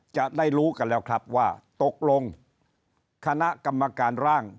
จะได้รู้กันแล้วครับว่าตกลงคณะกรรมการร่าง